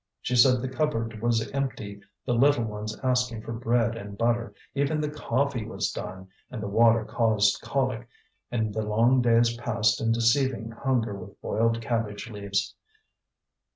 She said the cupboard was empty, the little ones asking for bread and butter, even the coffee was done, and the water caused colic, and the long days passed in deceiving hunger with boiled cabbage leaves.